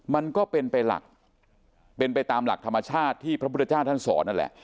มันก็เป็นไปหลักเป็นไปตามหลักธรรมชาติที่พระพุทธเจ้าท่านสอนนั่นแหละ